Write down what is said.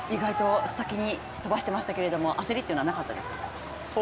先に飛ばしてましたけど焦りというのはなかったですか？